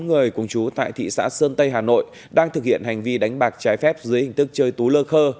sáu người cùng chú tại thị xã sơn tây hà nội đang thực hiện hành vi đánh bạc trái phép dưới hình thức chơi tú lơ khơ